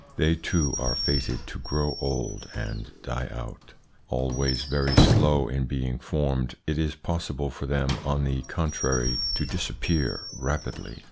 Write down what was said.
They too are fated to grow old and die out. Always very slow in being ormed, it is possible for them on the contrary to dis appear rapidly.